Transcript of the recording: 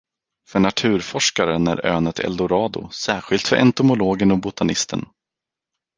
För naturforskaren är ön ett eldorado, särskilt för entomologen och botanisten.